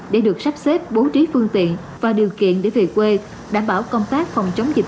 để được sắp xếp bố trí phương tiện và điều kiện để về quê đảm bảo công tác phòng chống dịch